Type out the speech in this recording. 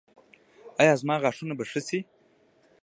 ایا زما غاښونه به ښه شي؟